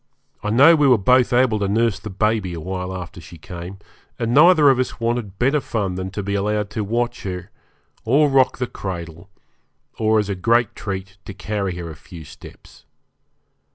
I know we were both able to nurse the baby a while after she came, and neither of us wanted better fun than to be allowed to watch her, or rock the cradle, or as a great treat to carry her a few steps.